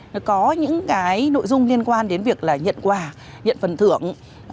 nó có những cái nội dung liên quan đến việc là nhận quà nhận phần thưởng